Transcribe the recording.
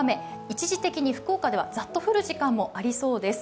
一時的に福岡ではザッと降る時間もありそうです。